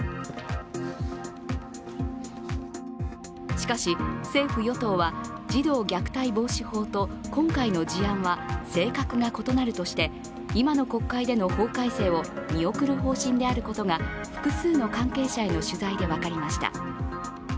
しかし、政府・与党は児童虐待防止法と今回の事案は性格が異なるとして今の国会での法改正を見送る方針であることが複数の関係者への取材で分かりました。